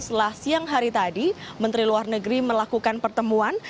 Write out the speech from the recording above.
setelah siang hari tadi menteri luar negeri melakukan pertemuan